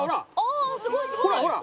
「ああすごいすごい！」